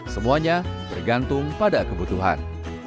semuanya bergantung pada kebutuhan